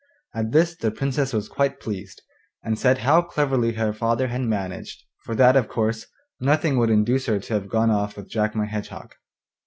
At this the Princess was quite pleased, and said how cleverly her father had managed, for that of course nothing would induce her to have gone off with Jack my Hedgehog.